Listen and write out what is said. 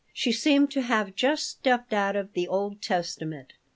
She seemed to have just stepped out of the Old Testament.